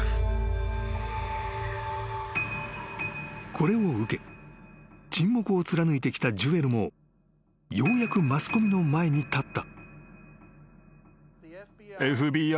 ［これを受け沈黙を貫いてきたジュエルもようやくマスコミの前に立った］